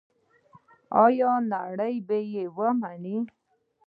آیا نړۍ به یې ومني؟